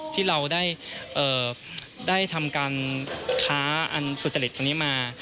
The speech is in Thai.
ที่เราได้ทำการค้าอันสุจริตตรงนี้มา